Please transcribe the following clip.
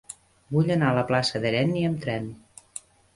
Vull anar a la plaça d'Herenni amb tren.